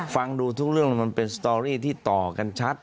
ฟังดูทุกเรื่องมันเป็นสตอรี่ที่ต่อกันชัด